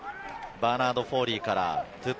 バーナード・フォーリーからトゥパ・